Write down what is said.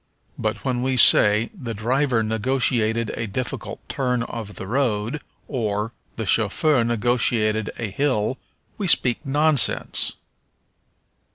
But when we say, "The driver negotiated a difficult turn of the road," or, "The chauffeur negotiated a hill," we speak nonsense.